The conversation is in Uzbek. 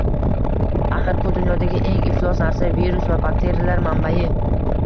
Axir, pul - dunyodagi eng iflos narsa, virus va bakteriyalar manbai!